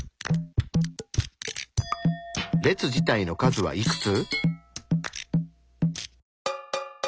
列自体の数はいくつ？